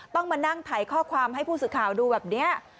ต้องมานั่งถ่ายข้อความให้ผู้สื่อข่าวดูแบบนี้